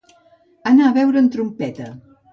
Anar a veure en Trompeta.